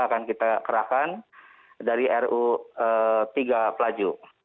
akan kita kerahkan dari ru tiga pelaju